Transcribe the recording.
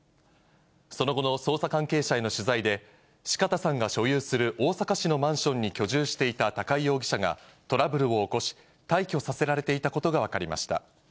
その後の捜査関係者への取材で、四方さんが所有する大阪市のマンションに居住していた高井容疑者が、トラブルを起こし、退去させられていたことが分かりました。